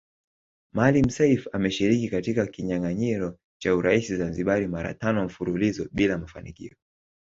Maalim Self ameshiriki katika kinyanganyiro cha urais Zanzibari mara tano mfululizo bila ya mafanikio